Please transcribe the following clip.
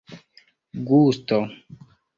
gusto